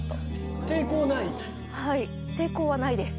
抵抗はないです。